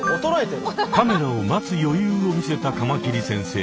カメラを待つ余裕を見せたカマキリ先生。